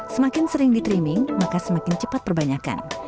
semakin sering di treaming maka semakin cepat perbanyakan